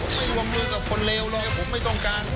ผมไม่วงมือกับคนเลวเลยผมไม่ต้องการ